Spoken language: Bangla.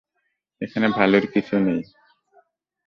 এখানে ভালোর কিছু নেই।